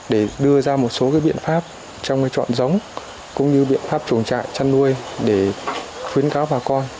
để đưa ra một số biện pháp trong chọn giống cũng như biện pháp chuồng trại chăn nuôi để khuyến cáo bà con